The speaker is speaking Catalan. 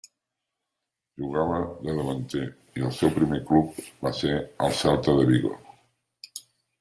Jugava de davanter i el seu primer club va ser el Celta de Vigo.